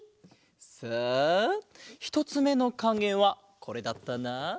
さあひとつめのかげはこれだったな。